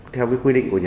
theo quy định của nhà